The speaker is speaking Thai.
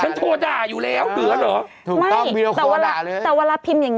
ฉันโทรด่าอยู่แล้วเดือดหรอ